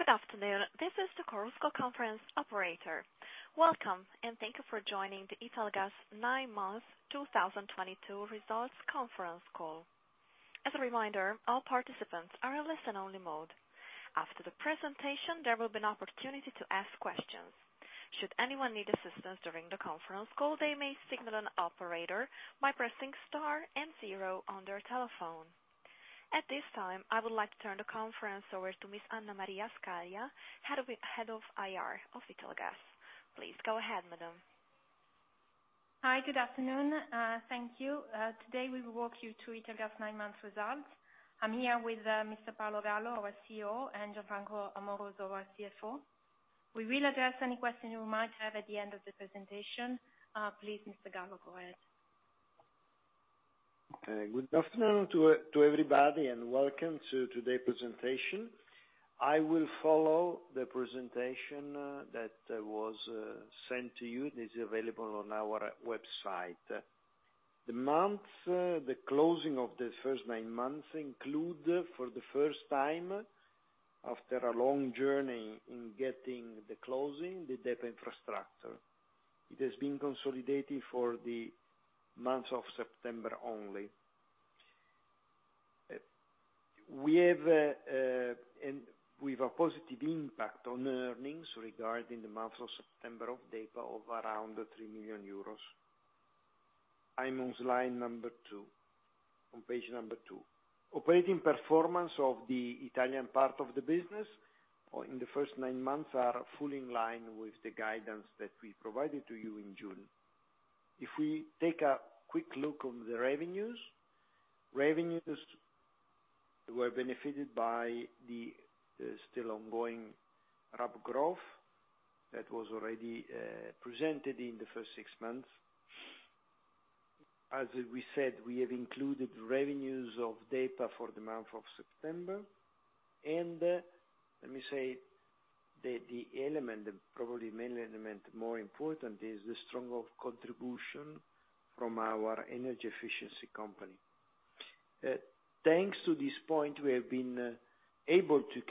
Good afternoon. This is the Chorus Call conference operator. Welcome, and thank you for joining the Italgas 9 months 2022 results conference call. As a reminder, all participants are in listen-only mode. After the presentation, there will be an opportunity to ask questions. Should anyone need assistance during the conference call, they may signal an operator by pressing star and zero on their telephone. At this time, I would like to turn the conference over to Ms. Anna Maria Scaglia, Head of IR of Italgas. Please go ahead, madam. Hi, good afternoon. Thank you. Today, we will walk you through Italgas nine months results. I'm here with Mr. Paolo Gallo, our CEO, and Gianfranco Amoroso, our CFO. We will address any questions you might have at the end of the presentation. Please, Mr. Gallo, go ahead. Good afternoon to everybody, and welcome to today's presentation. I will follow the presentation that was sent to you, and is available on our website. The results for the first nine months include for the first time, after a long journey in getting the closing, the DEPA Infrastructure. It has been consolidating for the month of September only. We have a positive impact on earnings regarding the month of September of DEPA of around 3 million euros. I'm on slide number 2, on page number 2. Operating performance of the Italian part of the business in the first nine months are fully in line with the guidance that we provided to you in June. If we take a quick look on the revenues. Revenues were benefited by the still ongoing rapid growth that was already presented in the first six months. As we said, we have included revenues of DEPA for the month of September. Let me say that the element, probably the main element more important is the strong contribution from our energy efficiency company. Thanks to this, we have been able to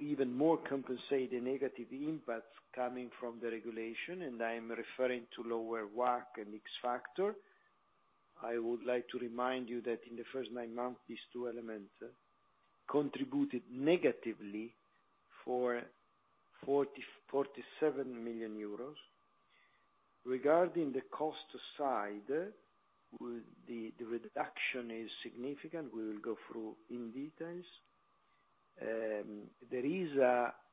even more compensate the negative impacts coming from the regulation, and I am referring to lower WACC and X-factor. I would like to remind you that in the first nine months, these two elements contributed negatively for 47 million euros. Regarding the cost side, the reduction is significant. We will go through in detail. There is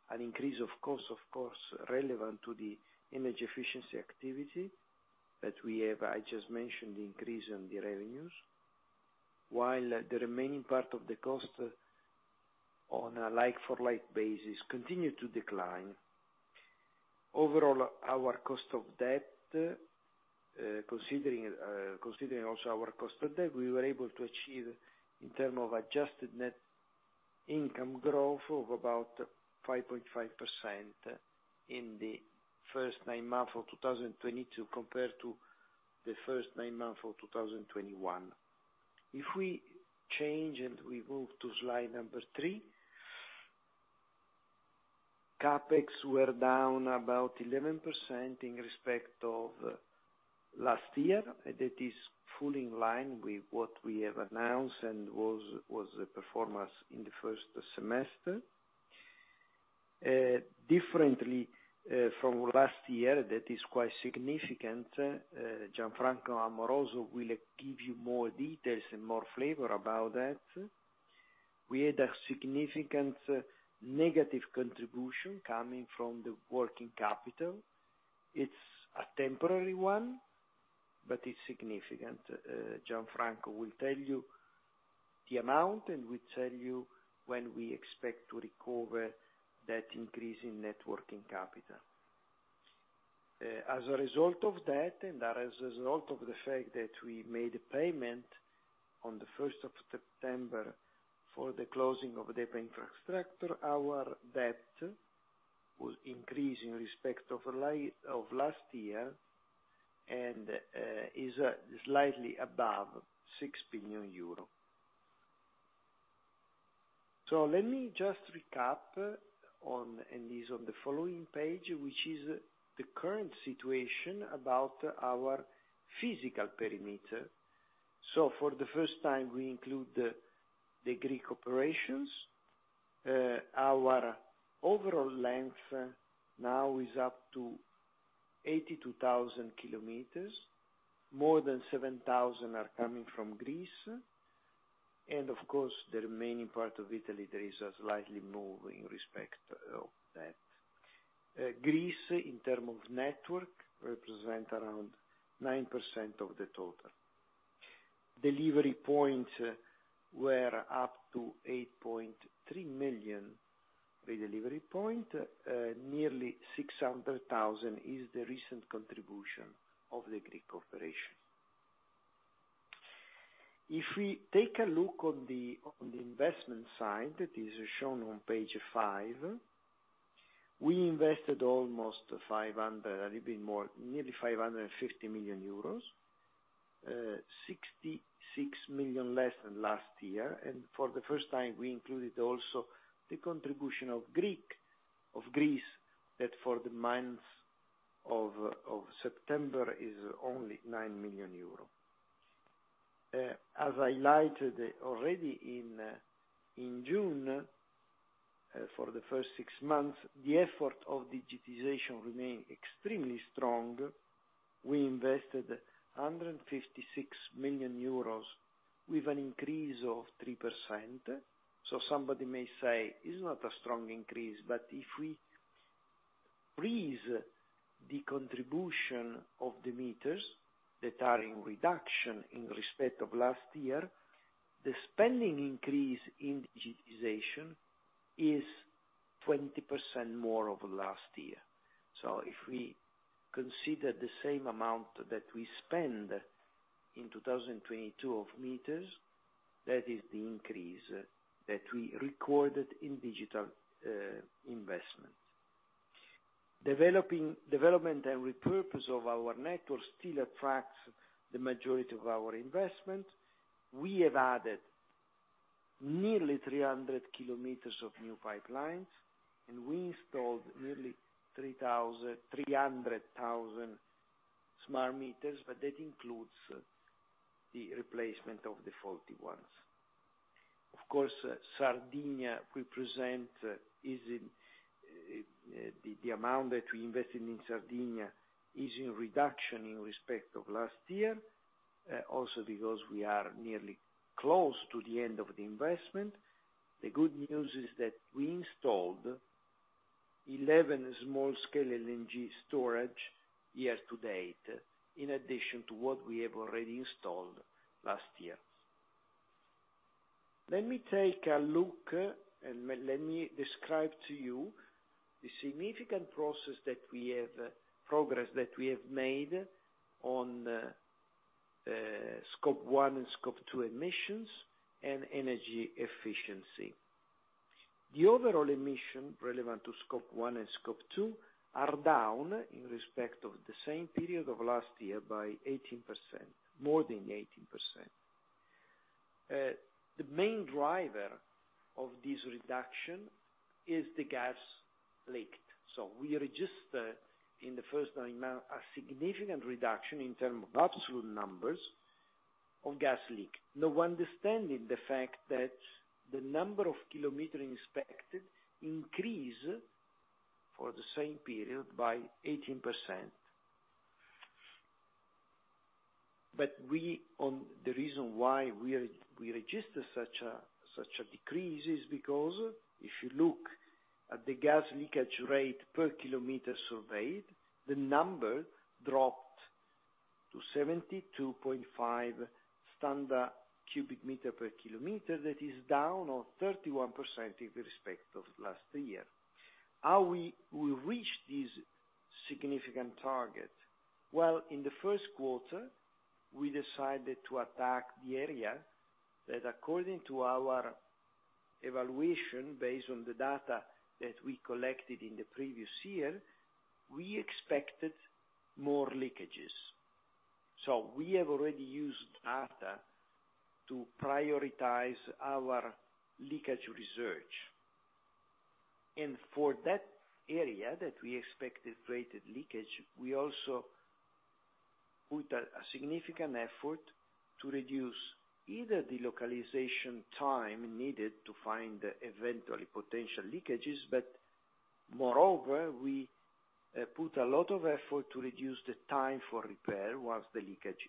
an increase in costs, of course, relevant to the energy efficiency activity that we have. I just mentioned the increase on the revenues. While the remaining part of the cost on a like for like basis continued to decline. Overall, our cost of debt, considering also our cost of debt, we were able to achieve in terms of adjusted net income growth of about 5.5% in the first nine months of 2022 compared to the first nine months of 2021. If we change and move to slide 3. CapEx were down about 11% in respect of last year. That is fully in line with what we have announced and was the performance in the first semester. Differently from last year, that is quite significant. Gianfranco Amoroso will give you more details and more flavor about that. We had a significant negative contribution coming from the working capital. It's a temporary one, but it's significant. Gianfranco will tell you the amount, and will tell you when we expect to recover that increase in net working capital. As a result of that, and as a result of the fact that we made a payment on the first of September for the closing of DEPA Infrastructure, our debt will increase in respect of of last year and is slightly above 6 billion euro. Let me just recap on, and is on the following page, which is the current situation about our physical perimeter. For the first time, we include the Greek operations. Our overall length now is up to 82,000 kilometers, more than 7,000 are coming from Greece. Of course, the remaining part of Italy, there is a slightly more in respect of that. Greece, in terms of network, represent around 9% of the total. Delivery points were up to 8.3 million delivery points. Nearly 600,000 is the recent contribution of the Greek operation. If we take a look on the investment side, that is shown on page 5. We invested almost 500, a little bit more, nearly 550 million euros. 66 million less than last year, and for the first time, we included also the contribution of Greece, that for the months of September is only 9 million euro. As I highlighted already in June, for the first six months, the effort of digitization remained extremely strong. We invested 156 million euros with an increase of 3%. Somebody may say, "It's not a strong increase," but if we freeze the contribution of the meters that are in reduction in respect of last year, the spending increase in digitization is 20% more over last year. If we consider the same amount that we spend in 2022 of meters, that is the increase that we recorded in digital investment. Development and repurpose of our network still attracts the majority of our investment. We have added nearly 300 kilometers of new pipelines, and we installed nearly 300,000 smart meters, but that includes the replacement of the faulty ones. Of course, the amount that we invested in Sardinia is in reduction in respect of last year, also because we are nearly close to the end of the investment. The good news is that we installed 11 small-scale LNG storage year to date, in addition to what we have already installed last year. Let me take a look, and let me describe to you the significant progress that we have made on scope one and scope two emissions and energy efficiency. The overall emissions relevant to scope one and scope two are down in respect of the same period of last year by 18%, more than 18%. The main driver of this reduction is the gas leaks. We registered, in the first 9 months, a significant reduction in terms of absolute numbers of gas leaks. Now understanding the fact that the number of kilometers inspected increased for the same period by 18%. On the reason why we are, we registered such a decrease is because if you look at the gas leakage rate per kilometer surveyed, the number dropped to 72.5 standard cubic meter per kilometer. That is down on 31% in respect of last year. How we reached this significant target? Well, in the first quarter, we decided to attack the area that according to our evaluation, based on the data that we collected in the previous year, we expected more leakages. We have already used data to prioritize our leakage research. For that area that we expected rated leakage, we also put a significant effort to reduce either the localization time needed to find eventually potential leakages, but moreover, we put a lot of effort to reduce the time for repair once the leakage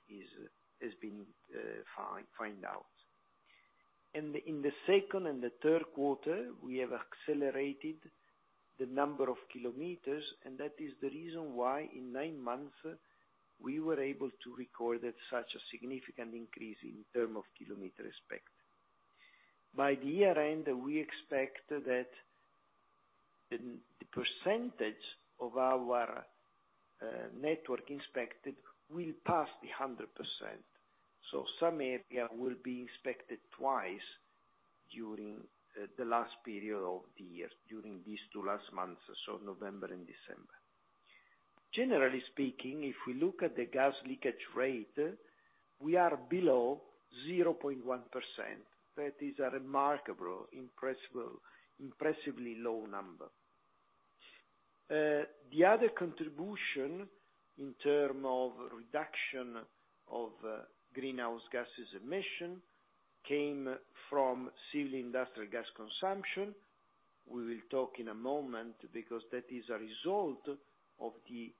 has been found out. In the second and the third quarter, we have accelerated the number of kilometers, and that is the reason why in nine months we were able to record such a significant increase in terms of kilometers respectively. By the year-end, we expect that the percentage of our network inspected will pass the 100%. Some area will be inspected twice during the last period of the year, during these two last months, so November and December. Generally speaking, if we look at the gas leakage rate, we are below 0.1%. That is a remarkable, impressive, impressively low number. The other contribution in terms of reduction of greenhouse gases emissions came from civil industrial gas consumption. We will talk in a moment because that is a result of the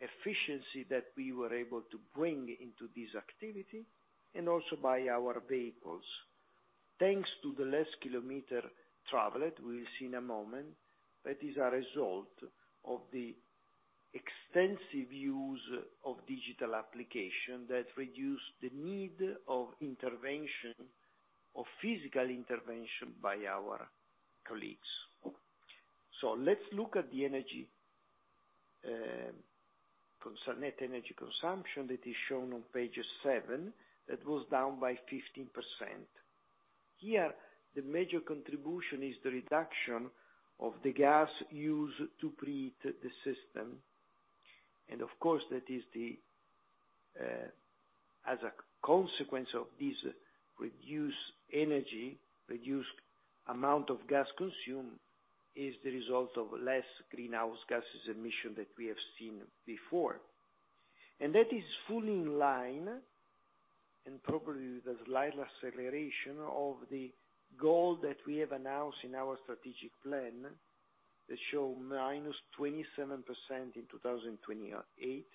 efficiency that we were able to bring into this activity, and also by our vehicles. Thanks to the less kilometer traveled, we will see in a moment, that is a result of the extensive use of digital application that reduced the need of intervention, of physical intervention by our colleagues. Let's look at the net energy consumption that is shown on page 7, that was down by 15%. Here, the major contribution is the reduction of the gas used to preheat the system. Of course, that is the, As a consequence of this reduced energy, reduced amount of gas consumed, is the result of less greenhouse gases emission that we have seen before. That is fully in line, and probably the slight acceleration, of the goal that we have announced in our strategic plan, that show -27% in 2028,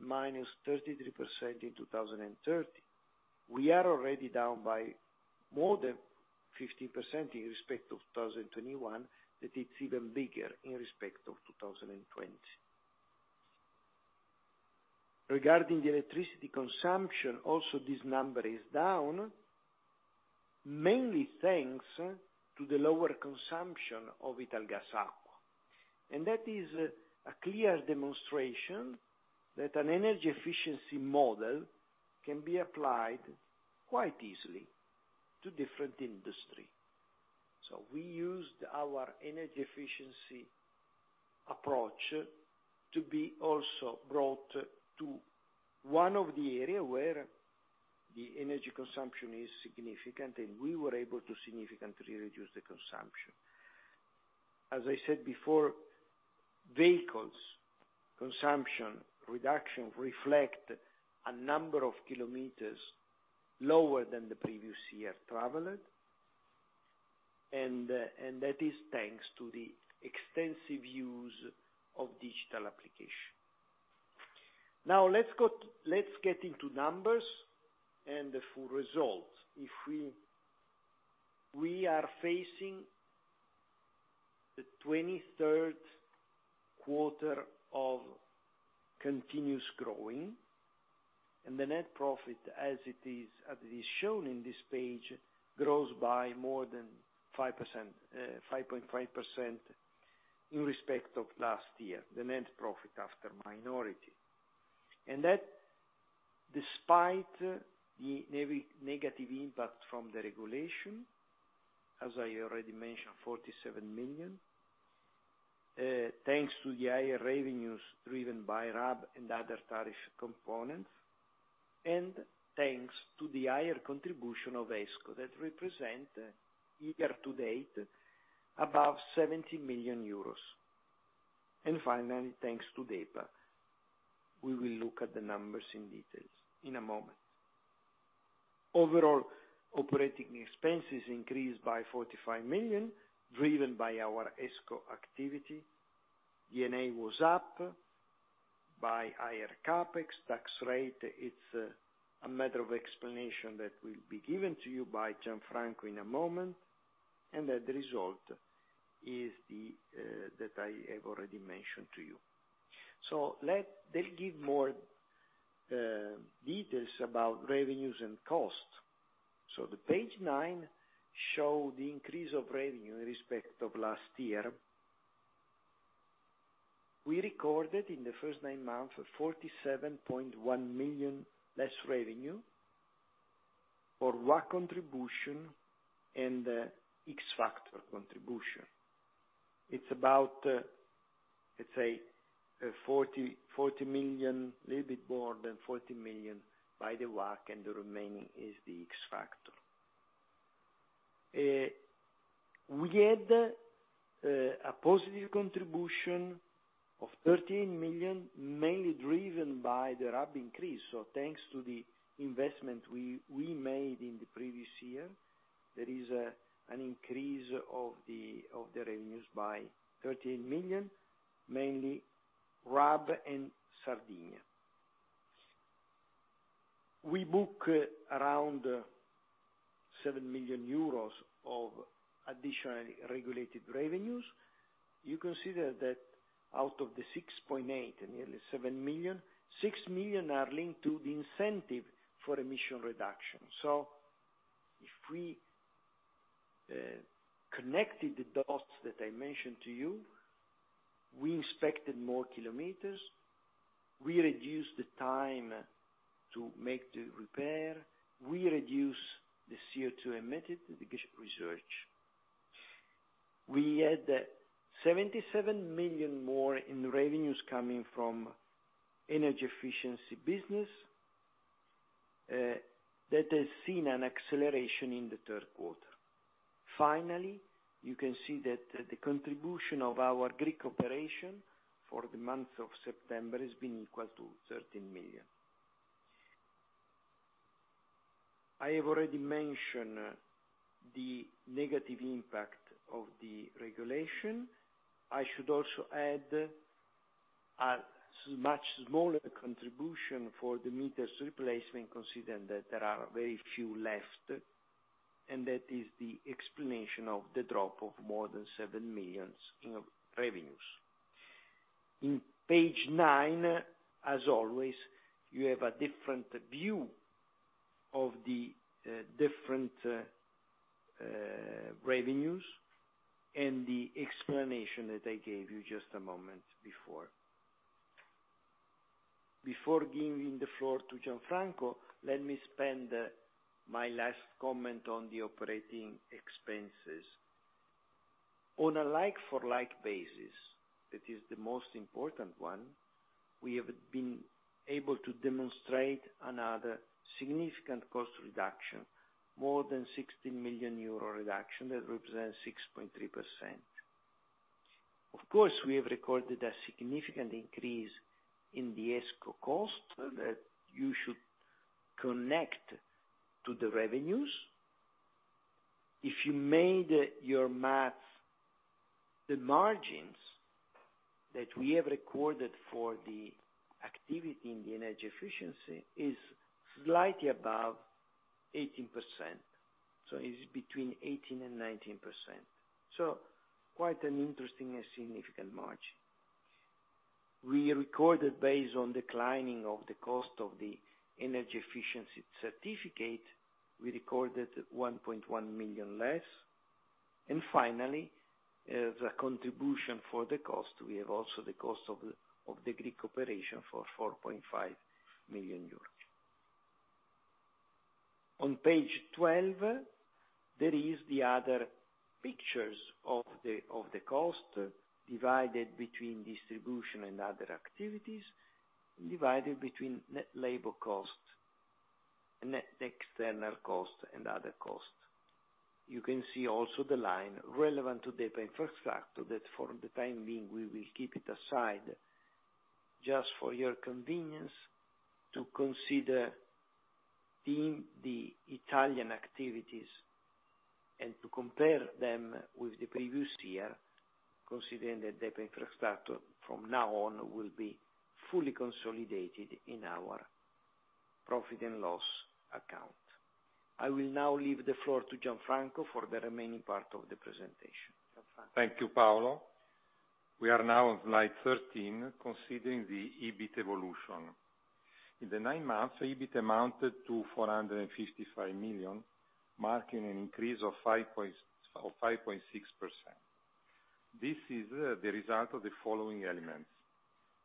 -33% in 2030. We are already down by more than 15% in respect of 2021, that it's even bigger in respect of 2020. Regarding the electricity consumption, also this number is down, mainly thanks to the lower consumption of Italgas Acqua. That is a clear demonstration that an energy efficiency model can be applied quite easily to different industry. We used our energy efficiency approach to be also brought to one of the area where the energy consumption is significant, and we were able to significantly reduce the consumption. As I said before, vehicles consumption reduction reflect a number of kilometers lower than the previous year traveled, and that is thanks to the extensive use of digital application. Now, let's get into numbers and the full results. If we are facing the 23rd quarter of continuous growing, and the net profit, as it is shown in this page, grows by more than 5%, 5.5% in respect of last year, the net profit after minority. That despite the negative impact from the regulation, as I already mentioned, 47 million, thanks to the higher revenues driven by RAB and other tariff components, and thanks to the higher contribution of ESCO that represent year to date above 70 million euros. Finally, thanks to DEPA. We will look at the numbers in detail in a moment. Overall operating expenses increased by 45 million, driven by our ESCO activity. EBITDA was up by higher CapEx. Tax rate, it's a matter of explanation that will be given to you by Gianfranco in a moment. That the result is the one that I have already mentioned to you. Let me give more details about revenues and costs. The page 9 shows the increase of revenue in respect of last year. We recorded in the first 9 months 47.1 million less revenue for WACC contribution and X-factor contribution. It's about, let's say, 40 million, a little bit more than 40 million by the WACC, and the remaining is the X-factor. We had a positive contribution of 13 million, mainly driven by the RAB increase. Thanks to the investment we made in the previous year, there is an increase of the revenues by 13 million, mainly RAB and Sardinia. We book around 7 million euros of additional regulated revenues. You can see that out of the 6.8, nearly 7 million, 6 million are linked to the incentive for emission reduction. If we connected the dots that I mentioned to you, we inspected more kilometers, we reduced the time to make the repair, we reduced the CO2 emitted, the research. We had 77 million more in revenues coming from energy efficiency business, that has seen an acceleration in the third quarter. Finally, you can see that, the contribution of our Greek operation for the month of September has been equal to 13 million. I have already mentioned the negative impact of the regulation. I should also add a much smaller contribution for the meters replacement, considering that there are very few left, and that is the explanation of the drop of more than 7 million in revenues. In page 9, as always, you have a different view of the different revenues and the explanation that I gave you just a moment before. Before giving the floor to Gianfranco, let me spend my last comment on the operating expenses. On a like-for-like basis, that is the most important one, we have been able to demonstrate another significant cost reduction, more than 60 million euro reduction that represents 6.3%. Of course, we have recorded a significant increase in the ESCO cost that you should connect to the revenues. If you made your math, the margins that we have recorded for the activity in the energy efficiency is slightly above 18%, so it's between 18% and 19%. Quite an interesting and significant margin. We recorded based on declining of the cost of the energy efficiency certificate, we recorded 1.1 million less. Finally, as a contribution for the cost, we have also the cost of the Greek operation for 4.5 million euros. On page twelve, there is the other picture of the cost divided between distribution and other activities, divided between net labor cost, net external cost, and other costs. You can see also the line relevant to DEPA Infrastructure that for the time being, we will keep it aside just for your convenience to consider the Italian activities and to compare them with the previous year, considering that DEPA Infrastructure from now on will be fully consolidated in our profit and loss account. I will now leave the floor to Gianfranco for the remaining part of the presentation. Gianfranco. Thank you, Paolo. We are now on slide 13, considering the EBIT evolution. In the nine months, EBIT amounted to 455 million, marking an increase of 5.6%. This is the result of the following elements: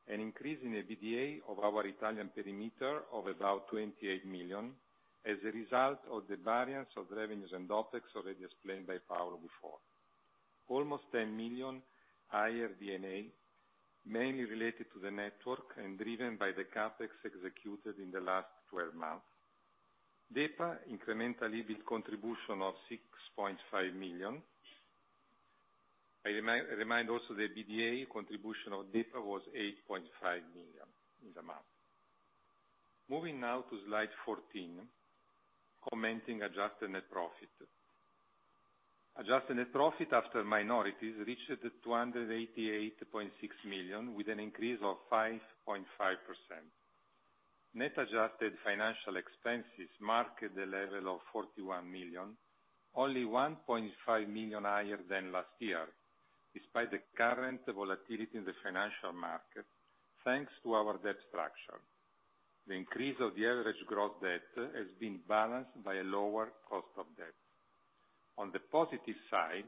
an increase in the EBITDA of our Italian perimeter of about 28 million as a result of the variance of revenues and OpEx already explained by Paolo before. Almost 10 million higher D&A, mainly related to the network and driven by the CapEx executed in the last twelve months. DEPA incremental EBIT contribution of 6.5 million. I remind also the EBITDA contribution of DEPA was 8.5 million in the month. Moving now to slide 14, commenting adjusted net profit. Adjusted net profit after minorities reached 288.6 million with an increase of 5.5%. Net adjusted financial expenses marked the level of 41 million, only 1.5 million higher than last year, despite the current volatility in the financial market, thanks to our debt structure. The increase of the average gross debt has been balanced by a lower cost of debt. On the positive side,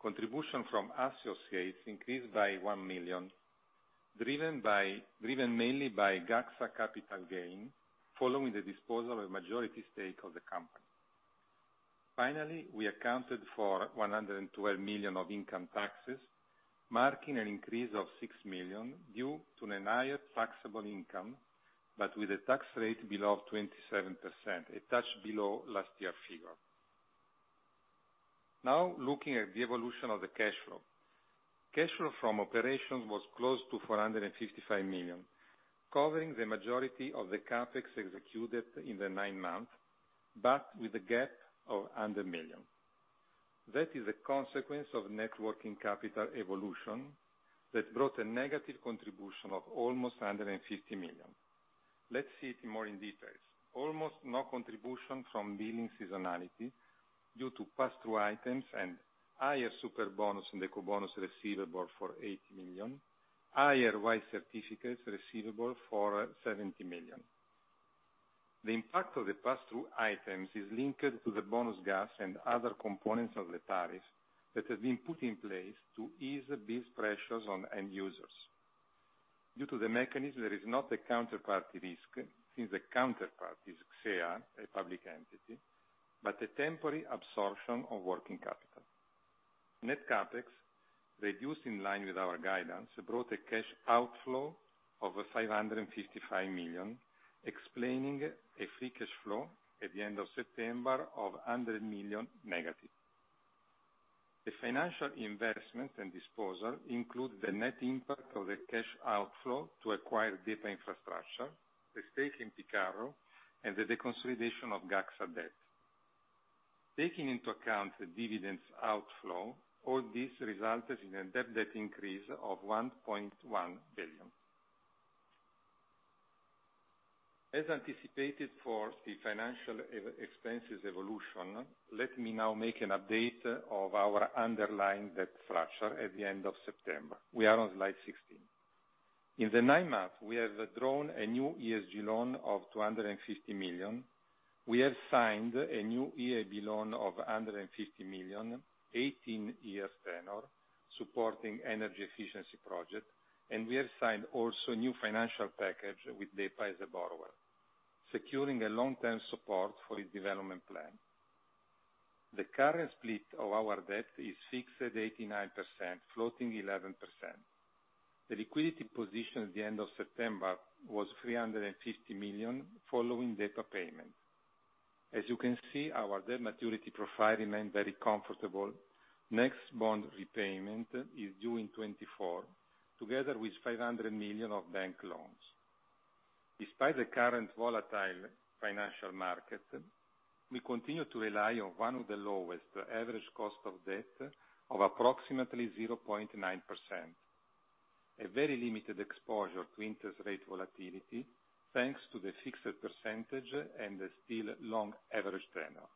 contribution from associates increased by 1 million, driven mainly by Gaxa capital gain following the disposal of majority stake of the company. Finally, we accounted for 112 million of income taxes, marking an increase of 6 million due to a higher taxable income, but with a tax rate below 27%, a touch below last year's figure. Now looking at the evolution of the cash flow. Cash flow from operations was close to 455 million, covering the majority of the CapEx executed in the nine months, but with a gap of 100 million. That is a consequence of net working capital evolution that brought a negative contribution of almost 150 million. Let's see it more in details. Almost no contribution from billing seasonality due to pass-through items and higher Superbonus and Ecobonus receivable for 80 million, higher White Certificates receivable for 70 million. The impact of the pass-through items is linked to the bonus gas and other components of the tariffs that have been put in place to ease these pressures on end users. Due to the mechanism, there is not a counterparty risk, since the counterparty is CSEA, a public entity, but a temporary absorption of working capital. Net CapEx, reduced in line with our guidance, brought a cash outflow of 555 million, explaining a free cash flow at the end of September of -100 million. The financial investment and disposal include the net impact of the cash outflow to acquire DEPA Infrastructure, the stake in Picarro, and the deconsolidation of Gaxa debt. Taking into account the dividends outflow, all this resulted in a net debt increase of 1.1 billion. As anticipated for the financial expenses evolution, let me now make an update of our underlying debt structure at the end of September. We are on slide 16. In the nine months, we have drawn a new ESG loan of 250 million. We have signed a new EIB loan of 150 million, 18 years tenure, supporting energy efficiency project, and we have signed also a new financial package with DEPA as a borrower, securing a long-term support for its development plan. The current split of our debt is fixed at 89%, floating 11%. The liquidity position at the end of September was 350 million following DEPA payment. As you can see, our debt maturity profile remained very comfortable. Next bond repayment is due in 2024, together with 500 million of bank loans. Despite the current volatile financial market, we continue to rely on one of the lowest average cost of debt of approximately 0.9%, a very limited exposure to interest rate volatility, thanks to the fixed percentage and the still long average tenure.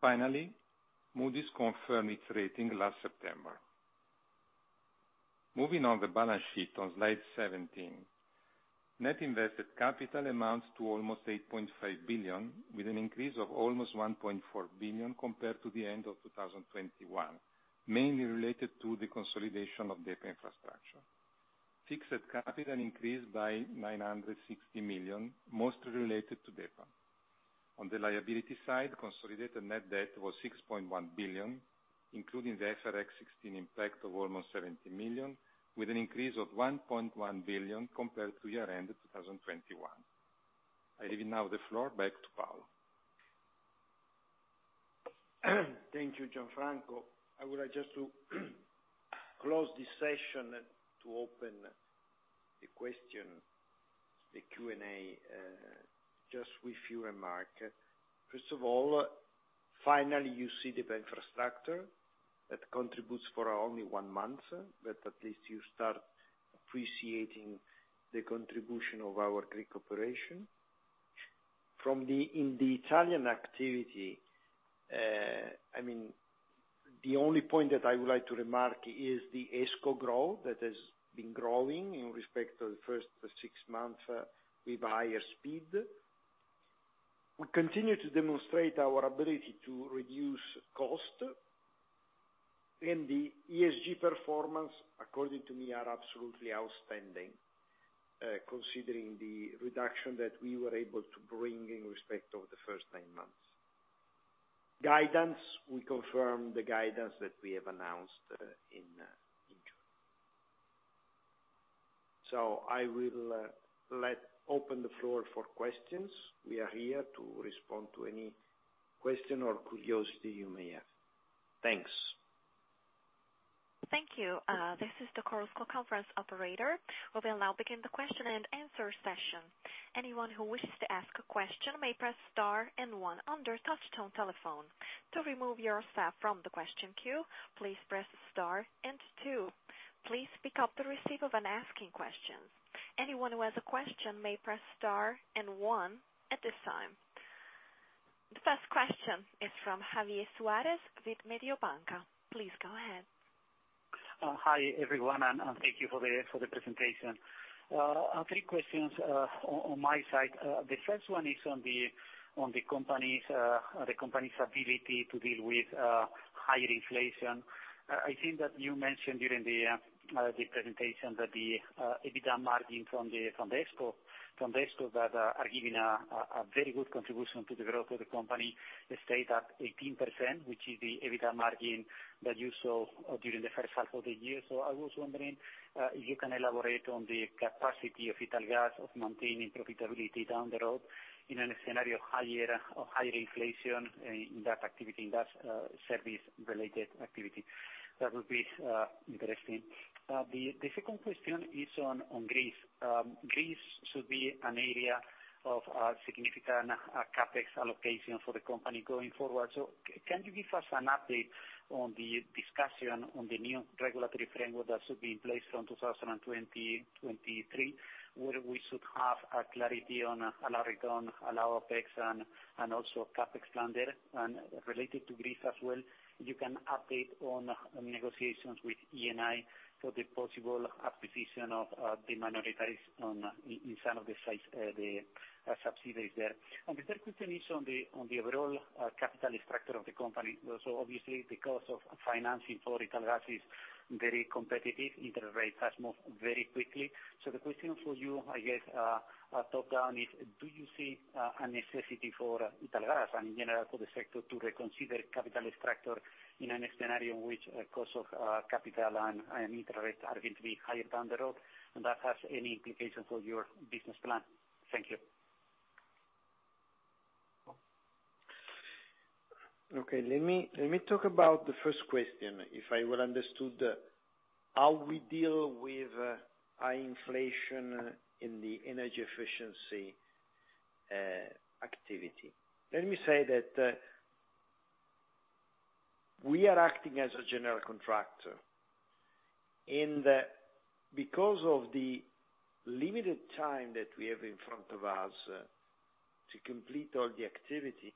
Finally, Moody's confirmed its rating last September. Moving on to the balance sheet on slide 17, net invested capital amounts to almost 8.5 billion, with an increase of almost 1.4 billion compared to the end of 2021, mainly related to the consolidation of DEPA Infrastructure. Fixed capital increased by 960 million, mostly related to DEPA. On the liability side, consolidated net debt was 6.1 billion, including the IFRS 16 impact of almost 70 million, with an increase of 1.1 billion compared to year-end of 2021. I'm giving now the floor back to Paolo. Thank you, Gianfranco. I would like just to close this session to open the question, the Q&A, just with few remark. First of all, finally, you see the infrastructure that contributes for only one month, but at least you start appreciating the contribution of our Greek operation. In the Italian activity, I mean, the only point that I would like to remark is the ESCO growth that has been growing in respect to the first six months with higher speed. We continue to demonstrate our ability to reduce cost. The ESG performance, according to me, are absolutely outstanding, considering the reduction that we were able to bring in respect of the first nine months. Guidance, we confirm the guidance that we have announced, in June. I will let open the floor for questions. We are here to respond to any question or curiosity you may have. Thanks. Thank you. This is the Chorus Call conference operator. We will now begin the question and answer session. Anyone who wishes to ask a question may press star and one on their touchtone telephone. To remove yourself from the question queue, please press star and two. Please pick up your handset before asking a question. Anyone who has a question may press star and one at this time. The first question is from Javier Suarez with Mediobanca. Please go ahead. Hi, everyone, and thank you for the presentation. I have 3 questions on my side. The first one is on the company's ability to deal with higher inflation. I think that you mentioned during the presentation that the EBITDA margin from the ESCO that are giving a very good contribution to the growth of the company, it stayed at 18%, which is the EBITDA margin that you saw during the first half of the year. I was wondering if you can elaborate on the capacity of Italgas of maintaining profitability down the road in a scenario of higher inflation in that service related activity. That would be interesting. The second question is on Greece. Greece should be an area of significant CapEx allocation for the company going forward. Can you give us an update on the discussion on the new regulatory framework that should be in place from 2020, 2023, where we should have a clarity on allowed return, allowed OpEx, and also CapEx plan there? Related to Greece as well, you can update on negotiations with Eni for the possible acquisition of the minorities in the subsidiaries there. The third question is on the overall capital structure of the company. Obviously, the cost of financing for Italgas is very competitive. Interest rates has moved very quickly. The question for you, I guess, top down is do you see a necessity for Italgas and in general for the sector to reconsider capital structure in a scenario in which cost of capital and interest rates are going to be higher down the road, and that has any implications for your business plan? Thank you. Okay. Let me talk about the first question. If I well understood, how we deal with high inflation in the energy efficiency activity. Let me say that, we are acting as a general contractor. Because of the limited time that we have in front of us, to complete all the activity.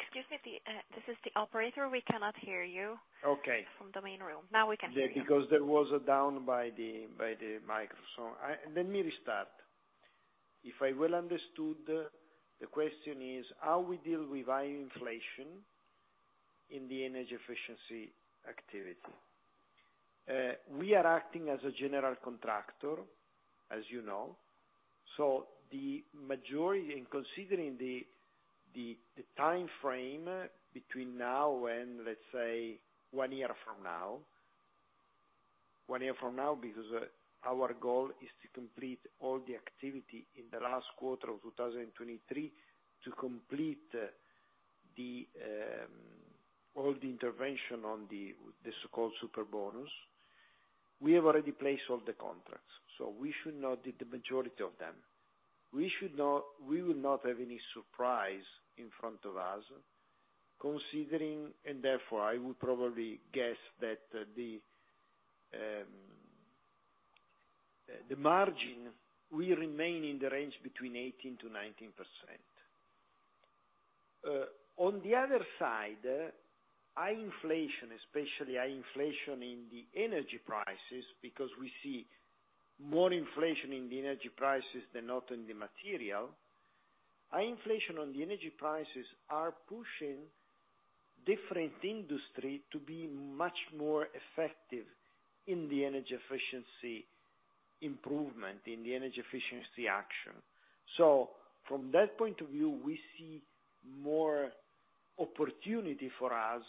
Excuse me, this is the operator. We cannot hear you. Okay. From the main room. Now we can hear you. Let me restart. If I well understood, the question is how we deal with high inflation in the energy efficiency activity. We are acting as a general contractor, as you know, so the majority in considering the timeframe between now and let's say one year from now because our goal is to complete all the activity in the last quarter of 2023 to complete all the intervention on the so-called Superbonus. We have already placed all the contracts, so we should know the majority of them. We will not have any surprise in front of us considering, and therefore I would probably guess that the margin will remain in the range between 18%-19%. On the other side, high inflation, especially high inflation in the energy prices, because we see more inflation in the energy prices than not in the material. High inflation on the energy prices are pushing different industry to be much more effective in the energy efficiency improvement, in the energy efficiency action. From that point of view, we see more opportunity for us,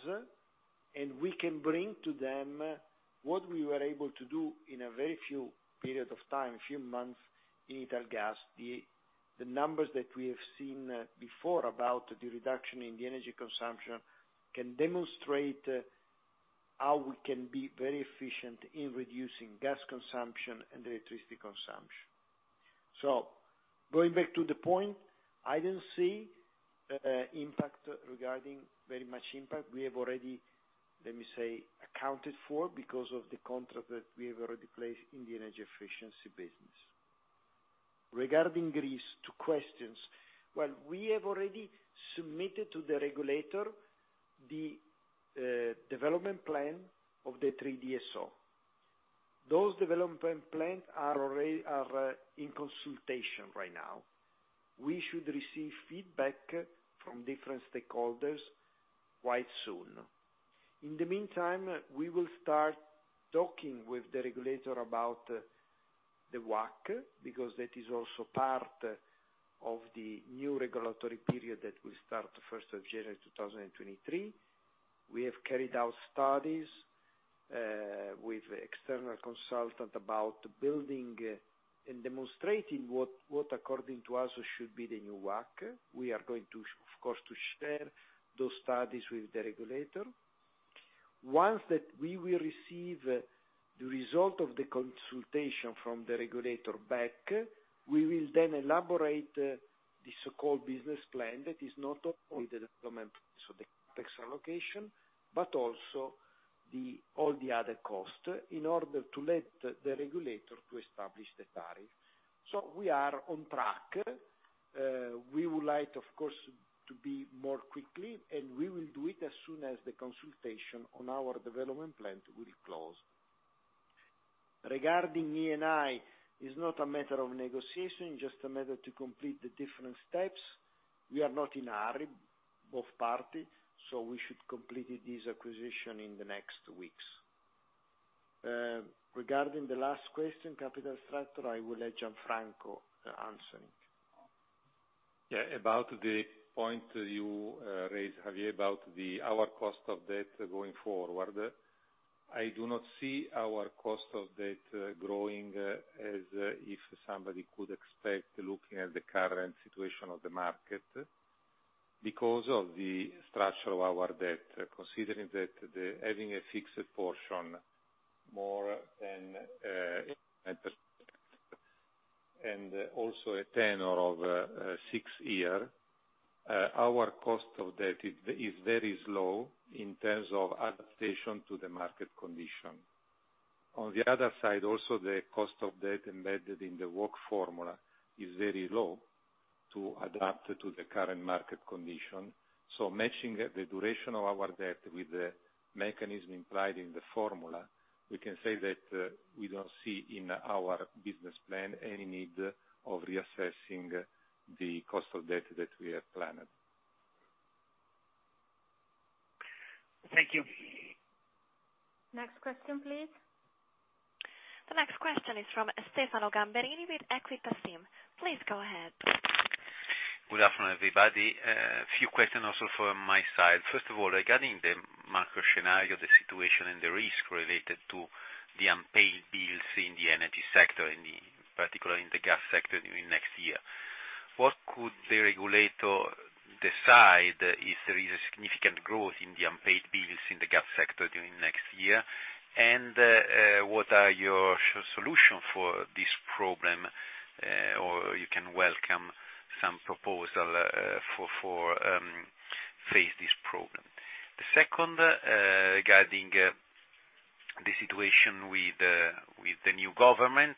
and we can bring to them what we were able to do in a very few period of time, few months in Italgas. The numbers that we have seen before about the reduction in the energy consumption can demonstrate how we can be very efficient in reducing gas consumption and electricity consumption. Going back to the point, I didn't see impact regarding very much impact. We have already, let me say, accounted for because of the contract that we have already placed in the energy efficiency business. Regarding Greece, two questions. Well, we have already submitted to the regulator the development plan of the three DSO. Those development plan are already in consultation right now. We should receive feedback from different stakeholders quite soon. In the meantime, we will start talking with the regulator about the WACC, because that is also part of the new regulatory period that will start the first of January 2023. We have carried out studies with external consultant about building and demonstrating what according to us should be the new WACC. We are going to of course, to share those studies with the regulator. Once that we will receive the result of the consultation from the regulator back, we will then elaborate the so-called business plan that is not only the development of the tax allocation, but also the, all the other costs in order to let the regulator to establish the tariff. We are on track. We would like, of course, to be more quickly, and we will do it as soon as the consultation on our development plan will close. Regarding Eni, it's not a matter of negotiation, just a matter to complete the different steps. We are not in a hurry, both parties, so we should complete this acquisition in the next weeks. Regarding the last question, capital structure, I will let Gianfranco answer it. Yeah. About the point you raised, Javier, about our cost of debt going forward, I do not see our cost of debt growing as if somebody could expect looking at the current situation of the market because of the structure of our debt, considering that we have a fixed portion more than and also a tenor of 6 years, our cost of debt is very low in terms of adaptation to the market condition. On the other side also, the cost of debt embedded in the WACC formula is very low to adapt to the current market condition. Matching the duration of our debt with the mechanism implied in the formula, we can say that we don't see in our business plan any need of reassessing the cost of debt that we have planned. Thank you. Next question, please. The next question is from Stefano Gamberini with Equita SIM. Please go ahead. Good afternoon, everybody. A few questions also from my side. First of all, regarding the macro scenario, the situation and the risk related to the unpaid bills in the energy sector, in particular in the gas sector during next year, what could the regulator decide if there is a significant growth in the unpaid bills in the gas sector during next year? What are your solution for this problem and welcome some proposal for to face this problem. The second, regarding the situation with the new government,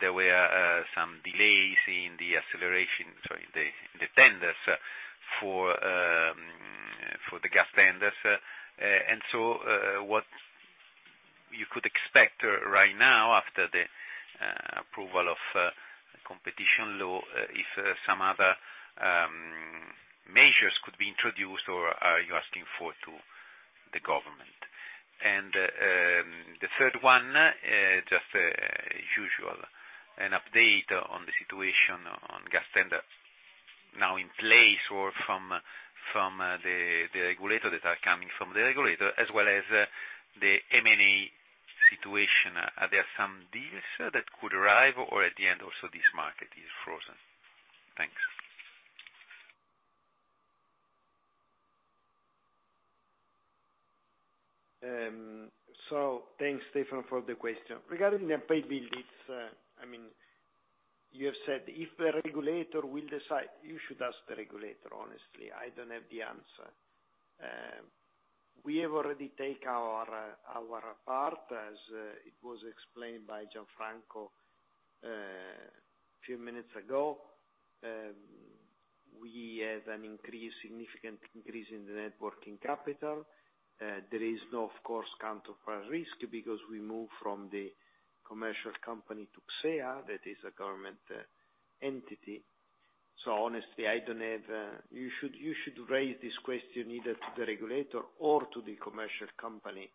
there were some delays in the tenders for the gas tenders. What you could expect right now after the approval of competition law if some other measures could be introduced, or are you asking the government. The third one, just the usual update on the situation on gas tender now in place or from the regulator that are coming from the regulator, as well as the M&A situation. Are there some deals that could arrive, or at the end also this market is frozen? Thanks. Thanks, Stefano, for the question. Regarding the paid bills, I mean, you have said if the regulator will decide, you should ask the regulator. Honestly, I don't have the answer. We have already take our part, as it was explained by Gianfranco few minutes ago. We have an increase, significant increase in the net working capital. There is no, of course, counterparty risk because we move from the commercial company to CSEA, that is a government entity. Honestly, I don't have. You should raise this question either to the regulator or to the commercial company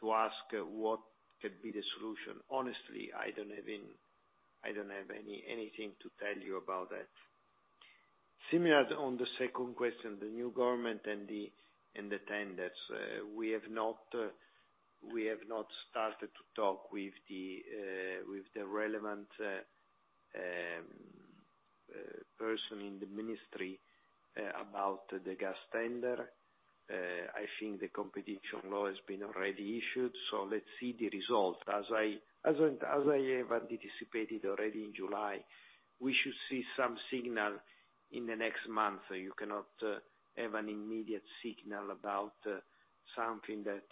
to ask what could be the solution. Honestly, I don't have anything to tell you about that. Similar on the second question, the new government and the tenders. We have not started to talk with the relevant person in the ministry about the gas tender. I think the competition law has been already issued, so let's see the results. As I have anticipated already in July, we should see some signal in the next month, so you cannot have an immediate signal about something that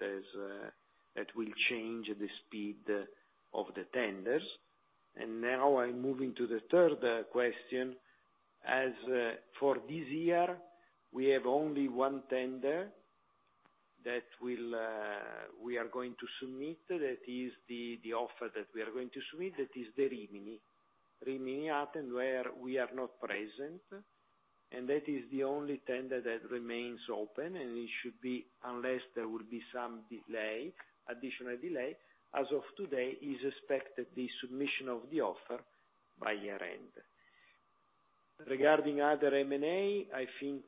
will change the speed of the tenders. Now I'm moving to the third question. As for this year, we have only one tender that we are going to submit. That is the offer that we are going to submit. That is the Rimini. Rimini, where we are not present, and that is the only tender that remains open, and it should be, unless there will be some delay, additional delay, as of today, is expected the submission of the offer by year-end. Regarding other M&A, I think,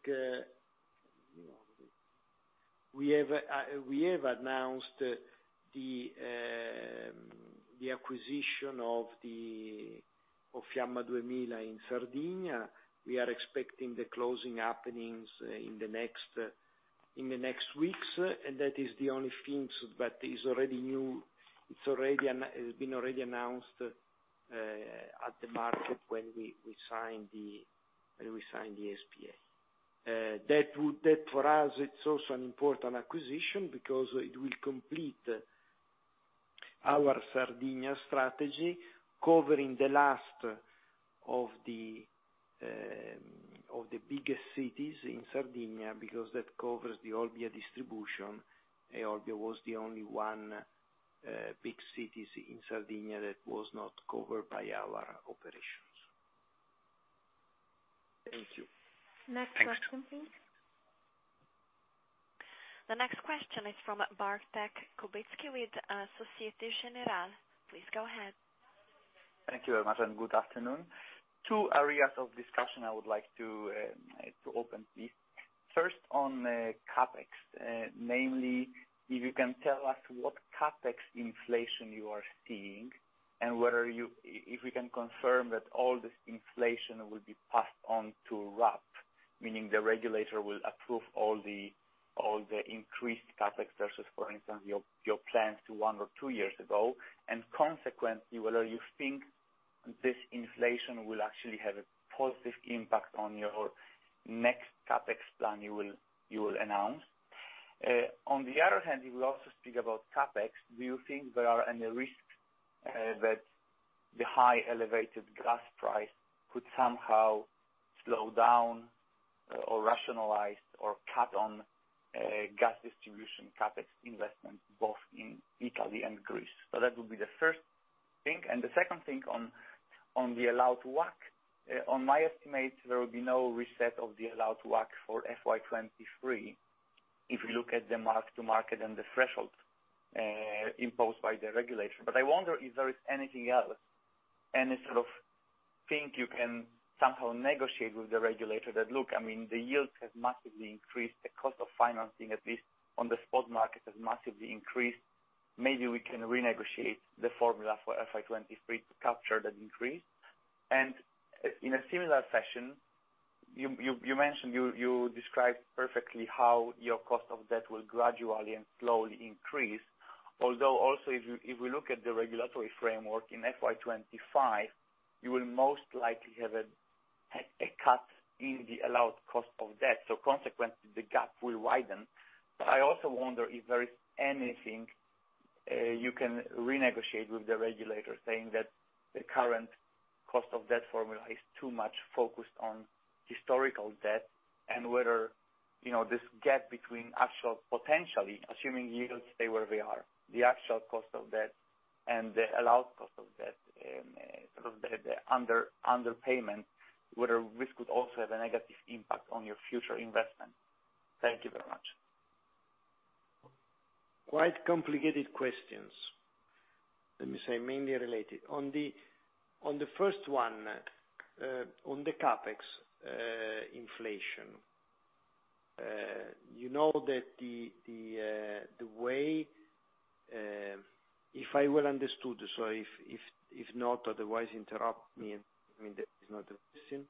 we have announced the acquisition of Fiamma 2000 in Sardinia. We are expecting the closing in the next weeks. That is the only thing that is already new. It's been already announced at the market when we signed the SPA. That, for us, it's also an important acquisition because it will complete our Sardinia strategy, covering the last of the biggest cities in Sardinia, because that covers the Olbia distribution. Olbia was the only one, big cities in Sardinia that was not covered by our operations. Thank you. Thanks. Next question, please. The next question is from Bartek Kubicki with Société Générale. Please go ahead. Thank you very much, and good afternoon. Two areas of discussion I would like to open this. First, on CapEx, namely, if you can tell us what CapEx inflation you are seeing and whether we can confirm that all this inflation will be passed on to RAB, meaning the regulator will approve all the increased CapEx versus, for instance, your plans to one or two years ago, and consequently, whether you think this inflation will actually have a positive impact on your next CapEx plan you will announce. On the other hand, you will also speak about CapEx. Do you think there are any risks that the highly elevated gas price could somehow slow down or rationalize or cut on gas distribution CapEx investment both in Italy and Greece? That would be the first thing. The second thing on the allowed WACC. On my estimate, there will be no reset of the allowed WACC for FY 2023, if you look at the mark to market and the threshold imposed by the regulator. I wonder if there is anything else, any sort of thing you can somehow negotiate with the regulator that, look, I mean, the yields have massively increased, the cost of financing, at least on the spot market, has massively increased. Maybe we can renegotiate the formula for FY 2023 to capture that increase. In a similar fashion, you mentioned you described perfectly how your cost of debt will gradually and slowly increase. Although if we look at the regulatory framework in FY 25, you will most likely have a cut in the allowed cost of debt, so consequently the gap will widen. I also wonder if there is anything you can renegotiate with the regulator, saying that the current cost of debt formula is too much focused on historical debt and whether, you know, this gap between actual potentially, assuming yields stay where they are, the actual cost of debt and the allowed cost of debt, sort of the underpayment, whether this could also have a negative impact on your future investment. Thank you very much. Quite complicated questions. Let me say mainly related. On the first one, on the CapEx inflation, you know that the way, if I well understood, if not otherwise interrupt me, I mean, that is not a decision.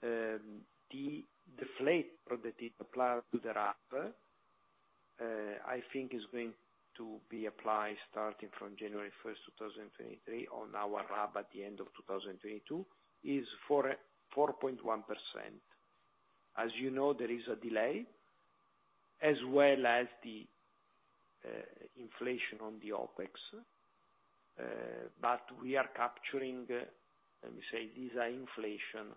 The deflator that applied to the RAB, I think is going to be applied starting from January 1, 2023 on our RAB at the end of 2022, is 4.1%. As you know, there is a delay as well as the inflation on the OpEx, but we are capturing, let me say, this inflation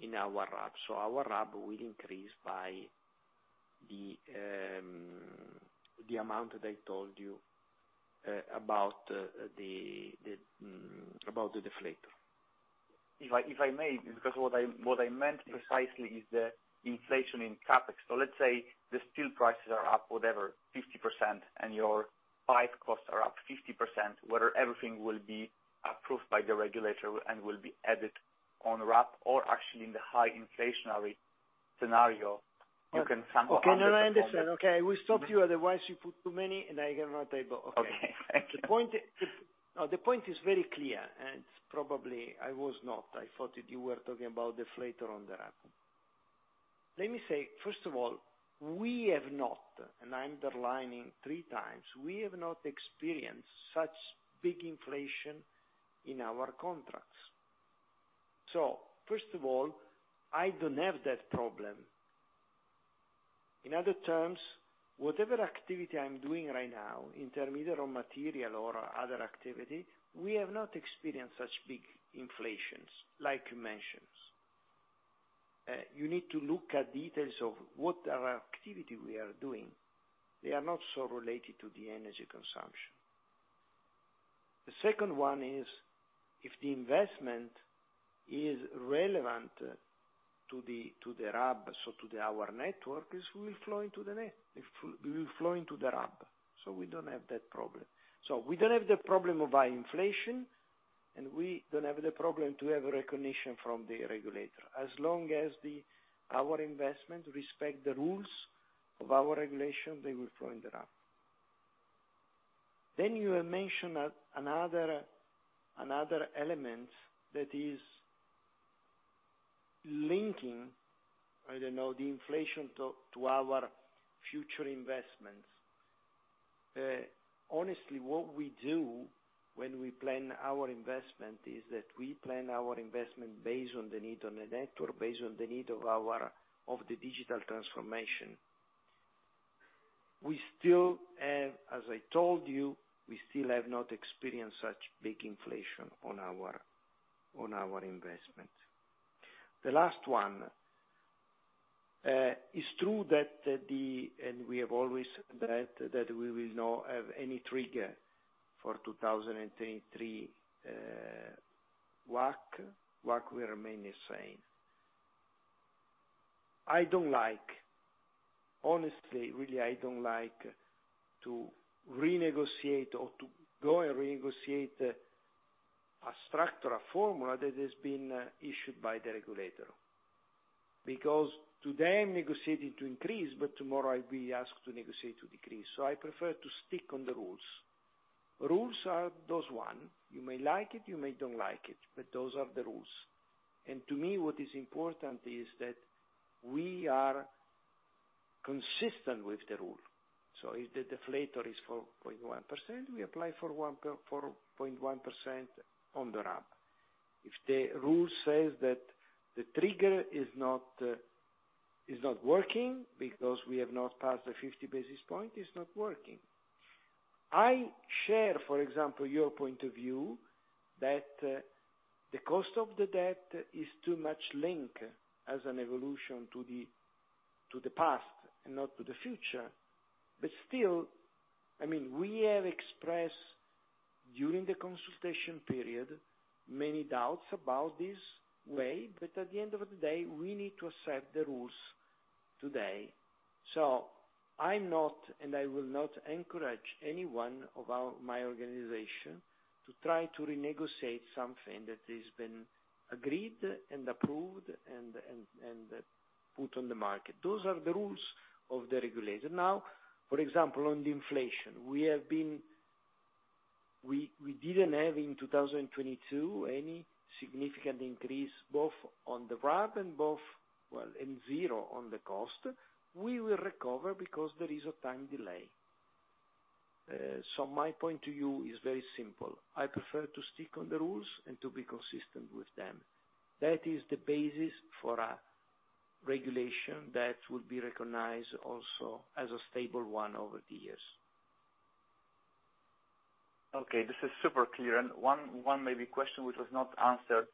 in our RAB. Our RAB will increase by the amount that I told you about the deflator. If I may, because what I meant precisely is the inflation in CapEx. Let's say the steel prices are up, whatever, 50% and your pipe costs are up 50%, whether everything will be approved by the regulator and will be added on RAB or actually in the high inflationary scenario, you can somehow understand that. Okay. No, no, I understand. Okay. We stop you, otherwise you put too many and I cannot able. Okay. Okay. The point is very clear, and probably I was not. I thought that you were talking about deflator on the RAB. Let me say, first of all, we have not, and I'm underlining three times, we have not experienced such big inflation in our contracts. First of all, I don't have that problem. In other terms, whatever activity I'm doing right now, intermediate or material or other activity, we have not experienced such big inflations like you mentions. You need to look at details of what are activity we are doing. They are not so related to the energy consumption. The second one is, if the investment is relevant to the RAB, so to our network, it will flow into the RAB. We don't have that problem. We don't have the problem of inflation, and we don't have the problem to have a recognition from the regulator. As long as our investment respect the rules of our regulation, they will flow in the RAB. You have mentioned another element that is linking, I don't know, the inflation to our future investments. Honestly, what we do when we plan our investment is that we plan our investment based on the need on the network, based on the need of the digital transformation. We still have, as I told you, not experienced such big inflation on our investment. The last one, it's true that we have always said that we will not have any trigger for 2023 WACC. WACC will remain the same. I don't like, honestly, really, to renegotiate or to go and renegotiate a structure, a formula that has been issued by the regulator. Because today I'm negotiating to increase, but tomorrow I'll be asked to negotiate to decrease. I prefer to stick on the rules. Rules are those one. You may like it, you may don't like it, but those are the rules. To me, what is important is that we are consistent with the rule. If the deflator is 4.1%, we apply 4.1% on the RAB. If the rule says that the trigger is not working because we have not passed the 50 basis points, it's not working. I share, for example, your point of view that the cost of the debt is too much linked as an evolution to the past and not to the future. Still, I mean, we have expressed during the consultation period many doubts about this way, but at the end of the day, we need to accept the rules today. I'm not, and I will not encourage anyone of our, my organization to try to renegotiate something that has been agreed and approved and put on the market. Those are the rules of the regulator. Now, for example, on the inflation, we have been. We didn't have in 2022 any significant increase both on the RAB and zero on the cost. We will recover because there is a time delay. My point to you is very simple. I prefer to stick to the rules and to be consistent with them. That is the basis for a regulation that will be recognized also as a stable one over the years. Okay, this is super clear. One maybe question which was not answered,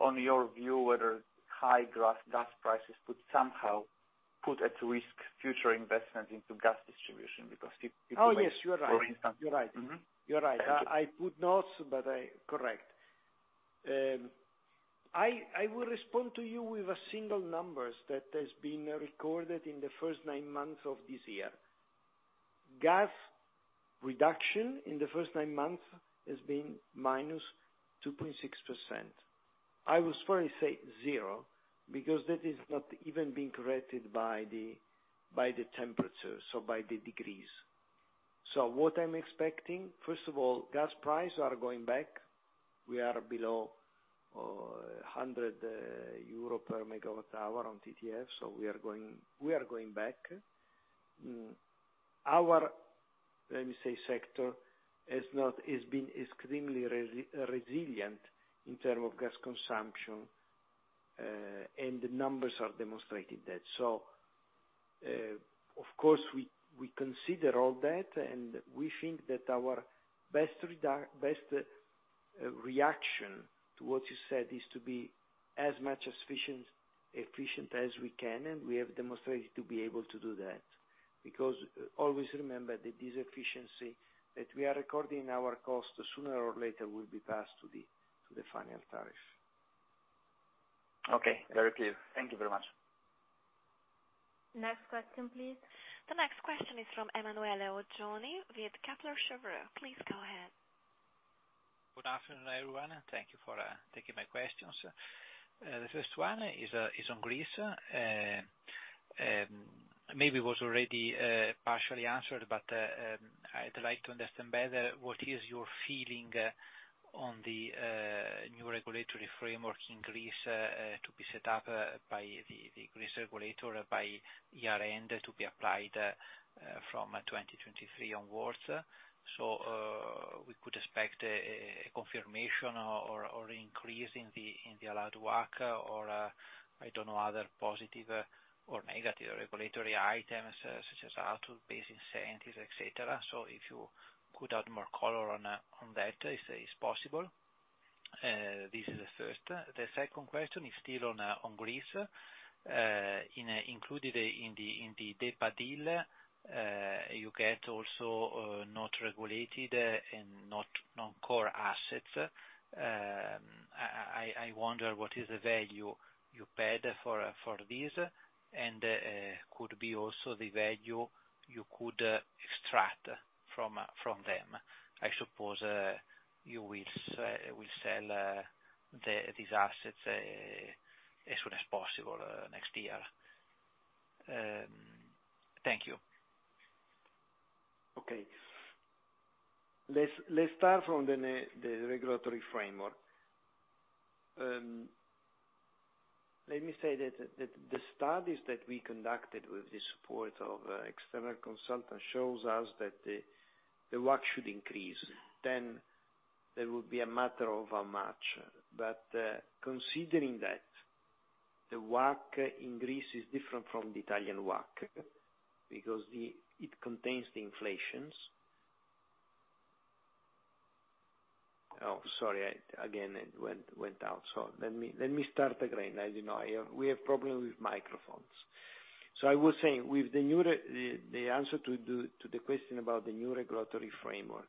on your view, whether high gas prices could somehow put at risk future investment into gas distribution, because if it makes, for instance. Oh, yes, you are right. Mm-hmm. You're right. Thank you. You're right. I put notes, but correct. I will respond to you with a single numbers that has been recorded in the first nine months of this year. Gas reduction in the first nine months has been -2.6%. I will probably say zero, because that is not even being corrected by the temperature, so by the degrees. What I'm expecting, first of all, gas price are going back. We are below 100 euro per megawatt hour on TTF, so we are going back. Our sector is not is being extremely resilient in terms of gas consumption, and the numbers are demonstrating that. Of course we consider all that, and we think that our best reaction to what you said is to be as much efficient as we can, and we have demonstrated to be able to do that. Because always remember that this efficiency that we are recording in our cost, sooner or later, will be passed to the final tariffs. Okay. Very clear. Thank you very much. Next question, please. The next question is from Emanuele Oggioni with Kepler Cheuvreux. Please go ahead. Good afternoon, everyone, and thank you for taking my questions. The first one is on Greece. Maybe was already partially answered, but I'd like to understand better what is your feeling on the new regulatory framework in Greece to be set up by the Greek regulator by year-end to be applied from 2023 onwards. We could expect a confirmation or increase in the allowed WACC or I don't know other positive or negative regulatory items, such as RAB-based incentives, et cetera. If you could add more color on that, if it is possible. This is the first. The second question is still on Greece. Included in the DEPA deal, you get also not regulated and non-core assets. I wonder what is the value you paid for this and could be also the value you could extract from them. I suppose you will sell these assets as soon as possible next year. Thank you. Let's start from the regulatory framework. Let me say that the studies that we conducted with the support of external consultants show us that the WACC should increase, then that would be a matter of how much. Considering that the WACC in Greece is different from the Italian WACC because it contains the inflations. Sorry, it went out. Let me start again. As you know, we have problems with microphones. I was saying the answer to the question about the new regulatory framework,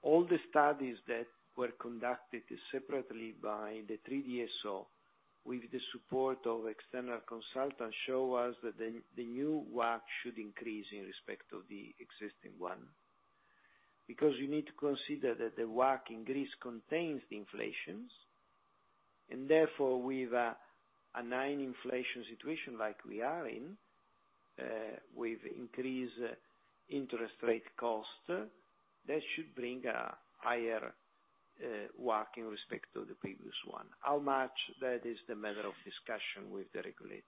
all the studies that were conducted separately by the three DSO with the support of external consultants show us that the new WACC should increase in respect to the existing one. Because you need to consider that the WACC in Greece contains the inflation, and therefore with a non-inflation situation like we are in, with increased interest rate cost, that should bring a higher WACC in respect to the previous one. How much that is the matter of discussion with the regulator.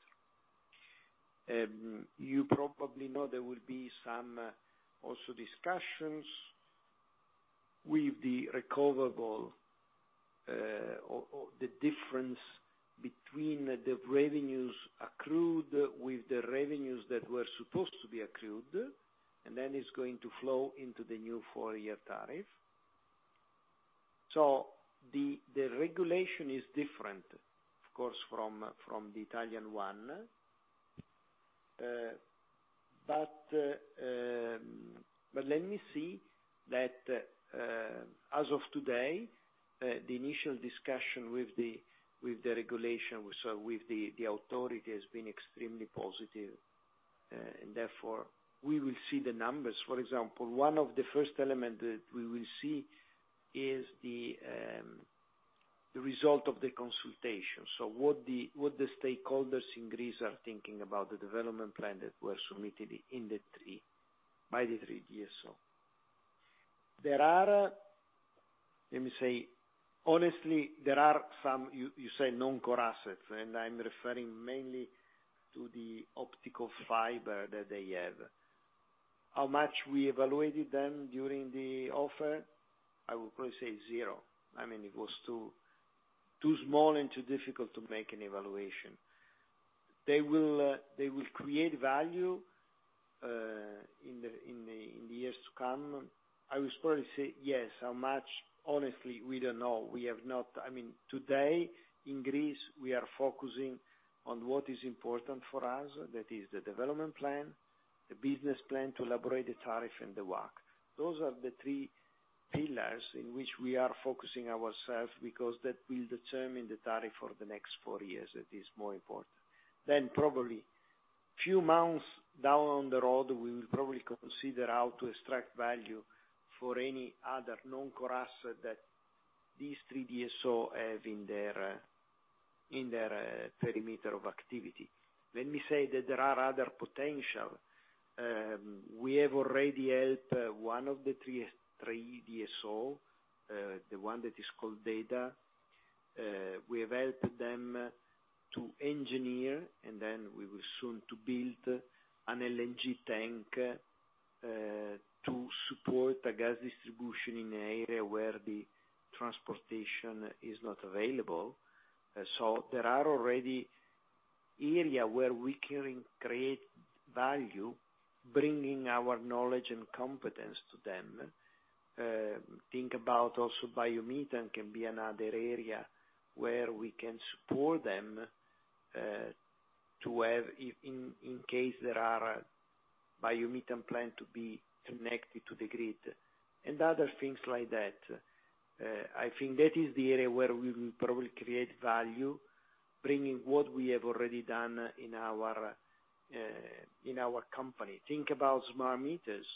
You probably know there will also be some discussions with the regulator, or the difference between the revenues accrued and the revenues that were supposed to be accrued, and then it's going to flow into the new four-year tariff. The regulation is different, of course, from the Italian one. Let me say that, as of today, the initial discussion with the regulator, so with the authority, has been extremely positive, and therefore we will see the numbers. For example, one of the first element that we will see is the result of the consultation. So what the stakeholders in Greece are thinking about the development plan that were submitted in the three, by the three DSO. There are, let me say, honestly, some you say non-core assets, and I'm referring mainly to the optical fiber that they have. How much we evaluated them during the offer, I will probably say zero. I mean, it was too small and too difficult to make an evaluation. They will create value in the years to come. I will probably say yes. How much? Honestly, we don't know. We have not. I mean, today, in Greece, we are focusing on what is important for us. That is the development plan, the business plan to elaborate the tariff and the work. Those are the three pillars in which we are focusing ourselves because that will determine the tariff for the next four years. That is more important. Then probably few months down the road, we will probably consider how to extract value for any other non-core asset that these three DSO have in their perimeter of activity. Let me say that there are other potential. We have already helped one of the three DSO, the one that is called DEDA. We have helped them to engineer and then we will soon to build an LNG tank to support the gas distribution in an area where the transportation is not available. So there are already area where we can create value, bringing our knowledge and competence to them. Think about also biomethane can be another area where we can support them, to have, in case there are biomethane plants to be connected to the grid and other things like that. I think that is the area where we will probably create value, bringing what we have already done in our company. Think about smart meters.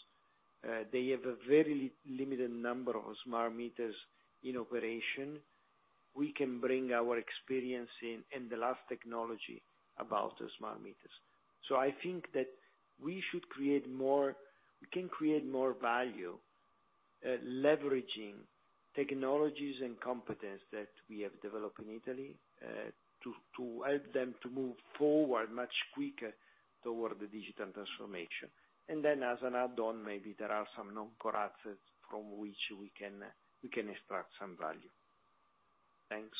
They have a very limited number of smart meters in operation. We can bring our experience in, and the latest technology about the smart meters. I think that we can create more value, leveraging technologies and competence that we have developed in Italy, to help them to move forward much quicker toward the digital transformation. As an add-on, maybe there are some non-core assets from which we can extract some value. Thanks.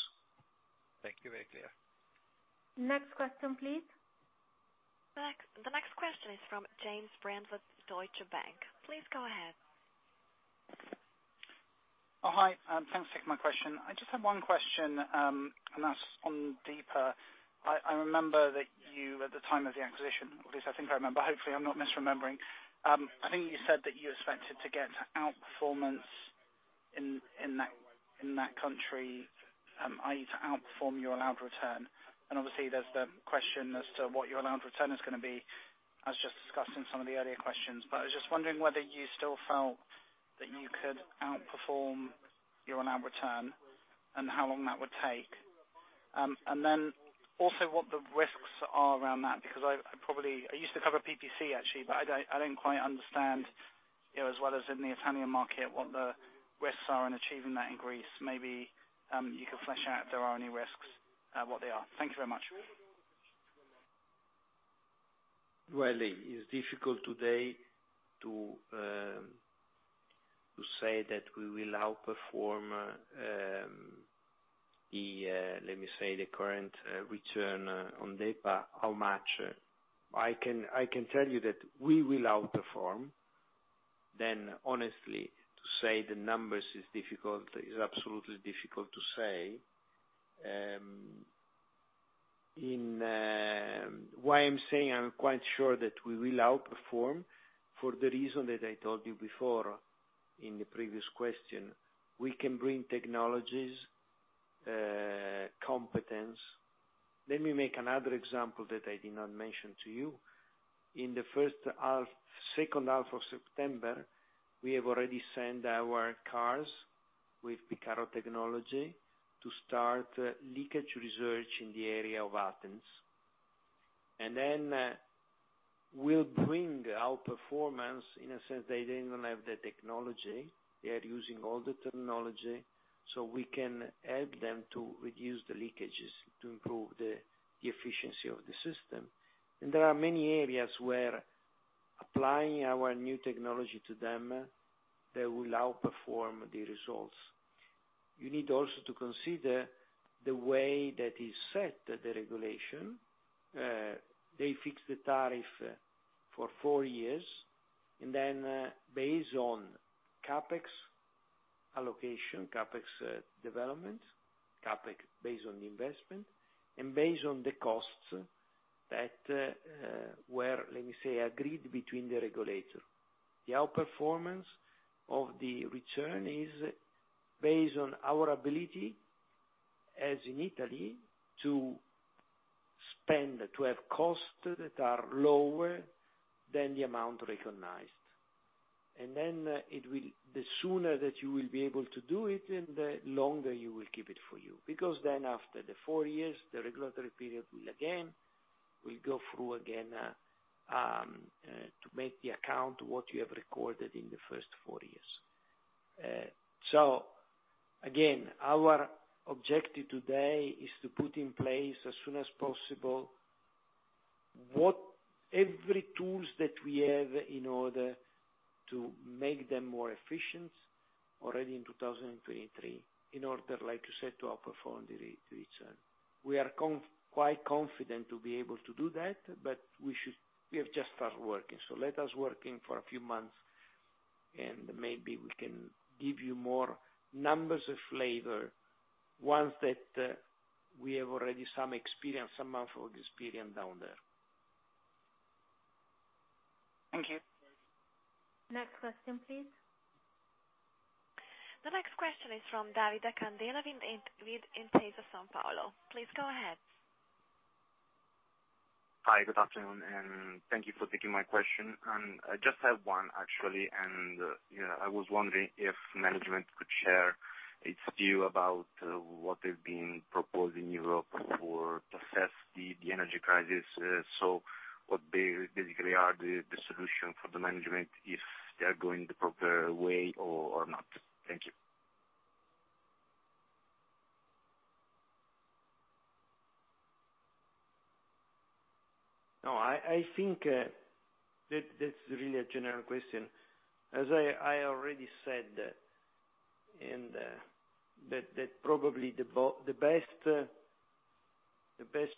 Thank you. Very clear. Next question, please. Next. The next question is from James Brand, Deutsche Bank. Please go ahead. Oh, hi. Thanks for taking my question. I just have one question, and that's on DEPA. I remember that you at the time of the acquisition, at least I think I remember. Hopefully, I'm not misremembering. I think you said that you expected to get outperformance in that country, i.e., to outperform your allowed return. Obviously, there's the question as to what your allowed return is gonna be, as just discussed in some of the earlier questions. I was just wondering whether you still felt that you could outperform your allowed return and how long that would take. Then also what the risks are around that, because I probably. I used to cover DEPA actually, but I didn't quite understand, you know, as well as in the Italian market, what the risks are in achieving that in Greece. Maybe you could flesh out if there are any risks, what they are. Thank you very much. Well, it is difficult today to say that we will outperform the current return on DEPA, how much. I can tell you that we will outperform. Honestly, to say the numbers is difficult. It's absolutely difficult to say. Why I'm saying I'm quite sure that we will outperform for the reason that I told you before in the previous question. We can bring technologies, competence. Let me make another example that I did not mention to you. In the first half, second half of September, we have already sent our cars with Picarro technology to start leakage research in the area of Athens. We'll bring outperformance in a sense they didn't even have the technology. They are using older technology. We can help them to reduce the leakages to improve the efficiency of the system. There are many areas where applying our new technology to them, they will outperform the results. You need also to consider the way that is set the regulation. They fix the tariff for four years, and then based on CapEx allocation, development, CapEx based on the investment and based on the costs that were, let me say, agreed between the regulator. The outperformance of the return is based on our ability, as in Italy, to spend, to have costs that are lower than the amount recognized. The sooner that you will be able to do it, then the longer you will keep it for you. Because then after the four years, the regulatory period will go through again to make the account what you have recorded in the first four years. Again, our objective today is to put in place as soon as possible whatever tools that we have in order to make them more efficient already in 2023, in order, like you said, to outperform the return. We are quite confident to be able to do that. We have just started working. Let us working for a few months and maybe we can give you more numbers or flavor once that we have already some experience, some months of experience down there. Thank you. Next question, please. The next question is from Davide Candela with Intesa Sanpaolo. Please go ahead. Hi. Good afternoon, and thank you for taking my question, and I just have one actually. You know, I was wondering if management could share its view about what has been proposed in Europe for to assess the energy crisis. So what basically are the solution for the management if they are going the proper way or not? Thank you. No, I think that's really a general question. As I already said, that probably the best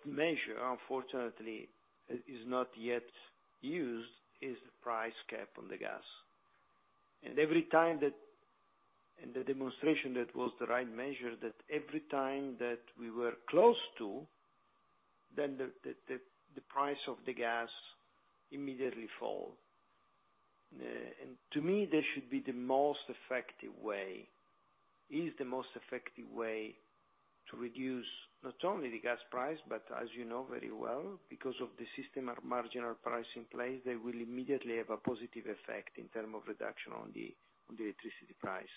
measure unfortunately is not yet used, is the price cap on the gas. The demonstration that was the right measure, that every time that we were close to, then the price of the gas immediately fall. To me, that should be the most effective way. Is the most effective way to reduce not only the gas price, but as you know very well, because of the system of marginal pricing in place, they will immediately have a positive effect in terms of reduction on the electricity price.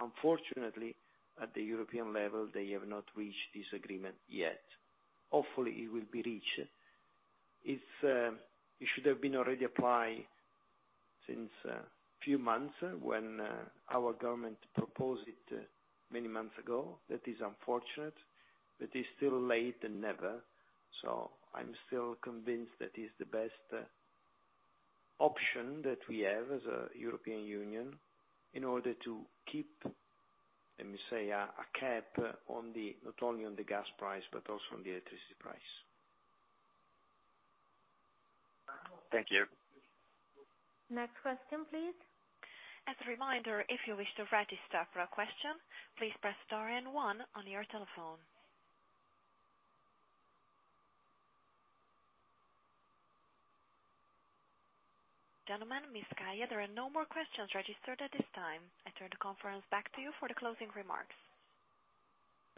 Unfortunately, at the European level, they have not reached this agreement yet. Hopefully, it will be reached. If it should have been already applied since a few months when our government proposed it many months ago. That is unfortunate, but it's better late than never. I'm still convinced that is the best option that we have as a European Union in order to keep, let me say, a cap on the, not only on the gas price, but also on the electricity price. Thank you. Next question, please. As a reminder, if you wish to register for a question, please press star and one on your telephone. Gentlemen, Ms. Scaglia, there are no more questions registered at this time. I turn the conference back to you for the closing remarks.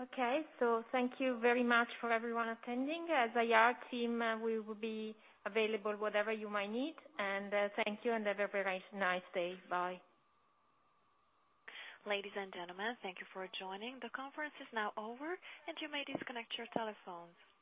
Okay. Thank you very much for everyone attending. As IR team, we will be available whatever you might need. Thank you and have a very nice day. Bye. Ladies and gentlemen, thank you for joining. The conference is now over, and you may disconnect your telephones.